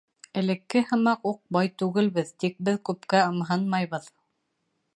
Элекке һымаҡ уҡ бай түгелбеҙ, тик беҙ күпкә ымһынмайбыҙ.